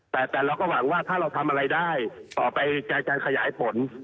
แต่เราก็หวังว่าถ้าเราทำอะไรได้ต่อไปจากการขยายผล